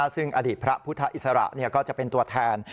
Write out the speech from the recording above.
ซึ่งอดีตพระพุทธอิสระก็จะเป็นตัวแทน